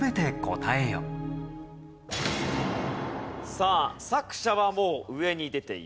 さあ作者はもう上に出ています。